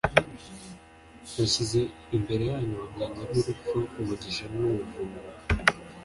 nashyize imbere yanyu ubugingo n’urupfu, umugisha n’umuvumo.